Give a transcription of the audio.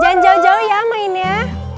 jangan jauh jauh ya mainnya